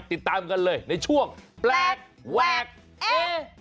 ติดตามกันเลยในช่วงแปลกแวกเอ